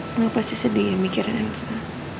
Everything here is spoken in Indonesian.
lu pasti sedih ya mikirin elsa